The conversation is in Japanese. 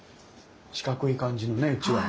四角い感じのねうちわ。